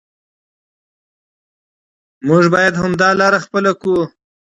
موږ باید همدا لاره خپله کړو.